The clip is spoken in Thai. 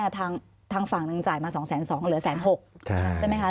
ทางฝั่งนึงจ่ายมา๒๒๐๐๐๐๐บาทเหลือ๑๖๐๐๐๐๐บาทใช่ไหมคะ